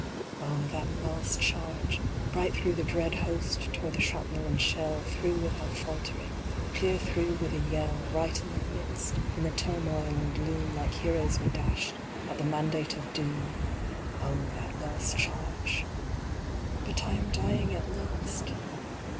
Oh, that last charge ! Right through the dread host tore the shrapnel and shell, Through, without faltering clear through with a yell 123 124 WOUNDED. Right in their midst, in the turmoil and gloom Like heroes we dashed, at the mandate of doom. Oh, that last charge ! But I am dying at last